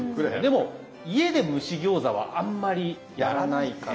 でも家で蒸し餃子はあんまりやらないかな。